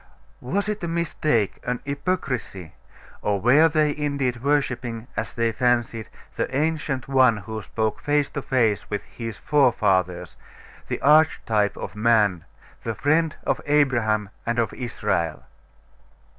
Was it a mistake, an hypocrisy? or were they indeed worshipping, as they fancied, the Ancient One who spoke face to face with his forefathers, the Archetype of man, the friend of Abraham and of Israel?